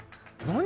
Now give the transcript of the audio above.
何？